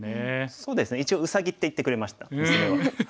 そうですね一応うさぎって言ってくれました娘は。